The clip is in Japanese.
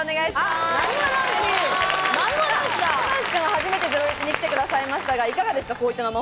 初めて『ゼロイチ』に来てくださいましたがいかがですか？